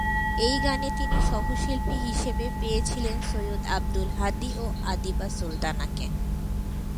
এই গানে তিনি সহশিল্পী হিসেবে পেয়েছিলেন সৈয়দ আব্দুল হাদী ও আবিদা সুলতানাকে।